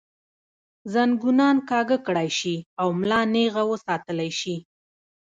زنګونان کاږۀ کړے شي او ملا نېغه وساتلے شي